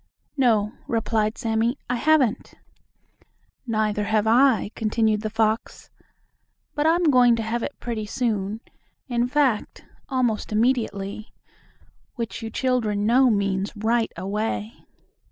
"No," replied Sammie, "I haven't." "Neither have I," continued the fox, "but I'm going to have it pretty soon, in fact, almost immediately," which you children know means right away.